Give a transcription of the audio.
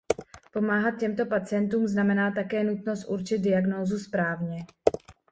Pomáhat těmto pacientům znamená také nutnost určit diagnózu správně.